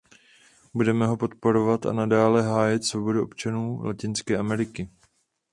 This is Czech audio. Budeme ho podporovat a nadále hájit svobodu občanů Latinské Ameriky.